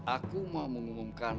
aku mau mengumumkan